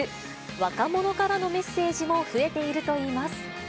若者からのメッセージも増えているといいます。